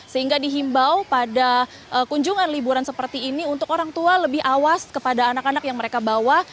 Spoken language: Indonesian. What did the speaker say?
sehingga dihimbau pada kunjungan liburan seperti ini untuk orang tua lebih awas kepada anak anak yang mereka bawa